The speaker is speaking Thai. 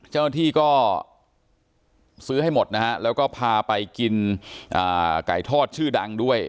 เจ้าหน้าที่ก็ซื้อให้หมดนะฮะแล้วก็พาไปกินไก่ทอดชื่อดังด้วย